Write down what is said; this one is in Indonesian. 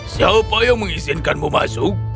siapa yang mengizinkanmu masuk